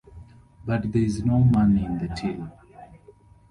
But there is no money in the till.